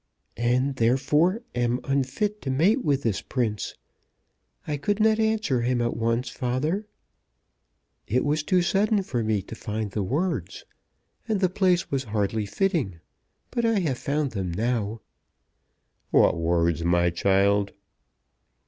"And, therefore, am unfit to mate with this prince. I could not answer him at once, father. It was too sudden for me to find the words. And the place was hardly fitting. But I have found them now." "What words, my child?"